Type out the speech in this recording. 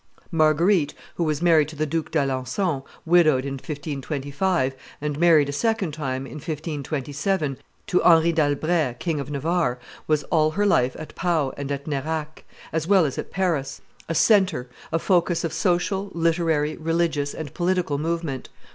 Marguerite, who was married to the Duke d'Alencon, widowed in 1525, and married a second time, in 1527, to Henry d'Albret, King of Navarre, was all her life at Pau and at Nerac, as well as at Paris, a centre, a focus of social, literary, religious, and political movement.